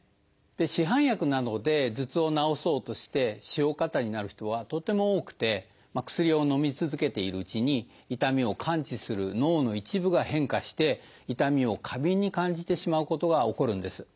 市販薬なので頭痛を治そうとして使用過多になる人はとっても多くて薬をのみ続けているうちに痛みを感知する脳の一部が変化して痛みを過敏に感じてしまうことが起こるんです。